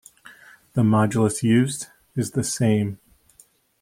The modulus used is the same.